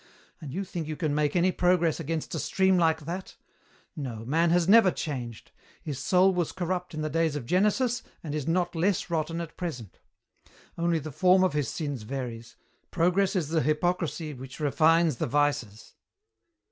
And you think you can make any progress against a stream like that? No, man has never changed. His soul was corrupt in the days of Genesis and is not less rotten at present. Only the form of his sins varies. Progress is the hypocrisy which refines the vices."